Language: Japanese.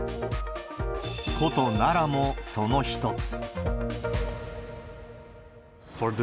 古都、奈良もその一つ。